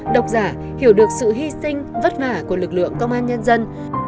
độc giả hiểu được sự hy sinh vất vả của lực lượng công an nhân dân